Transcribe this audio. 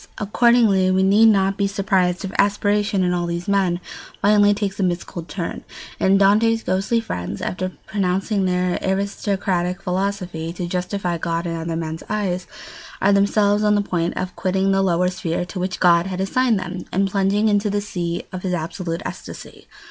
Accordingly we need not be surprised if aspiration, in all these men, finally takes a mystical turn; and Dante's ghostly friends, after propounding their aristocratic philosophy, to justify God in other men's eyes, are themselves on the point of quitting the lower sphere to which God had assigned them and plunging into the "sea" of his absolute ecstasy.